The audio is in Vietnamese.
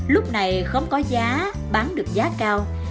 lúc này khóm có giá bán được giá cao